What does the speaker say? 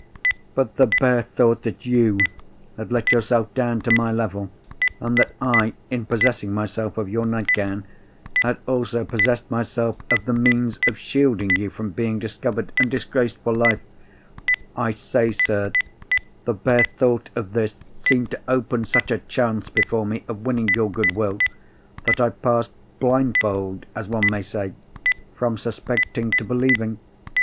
"But the bare thought that you had let yourself down to my level, and that I, in possessing myself of your nightgown, had also possessed myself of the means of shielding you from being discovered, and disgraced for life—I say, sir, the bare thought of this seemed to open such a chance before me of winning your good will, that I passed blindfold, as one may say, from suspecting to believing.